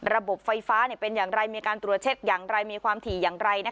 ระบบไฟฟ้าเป็นอย่างไรมีการตรวจเช็คอย่างไรมีความถี่อย่างไร